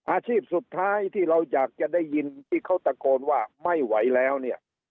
อาชีพสุดท้ายที่เราอยากจะได้ยินที่เขาตะโกนว่าไม่ไหวแล้วเนี่ย